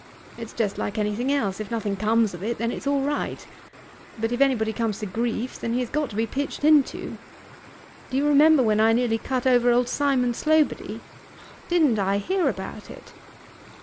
It's just like anything else, if nothing comes of it then it's all right. But if anybody comes to grief then he has got to be pitched into. Do you remember when I nearly cut over old Sir Simon Slobody? Didn't I hear about it!